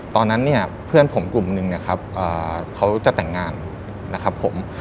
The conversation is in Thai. ตอนนั้นเนี่ยเพื่อนผมกลุ่มนึงเนี่ยครับเขาจะแต่งงานนะครับผม